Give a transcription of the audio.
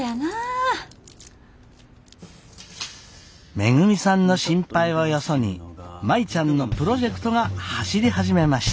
めぐみさんの心配をよそに舞ちゃんのプロジェクトが走り始めました。